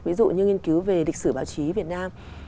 ví dụ như nghiên cứu về lịch sử báo chí việt nam